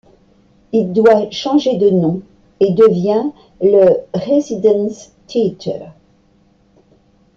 Il doit changer de nom et devient le Residenz-Theater.